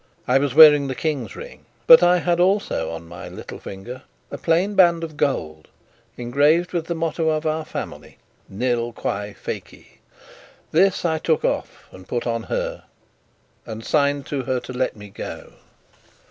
I was wearing the King's ring; but I had also on my little finger a plain band of gold engraved with the motto of our family: "Nil Quae Feci." This I took off and put on her, and signed to her to let me go.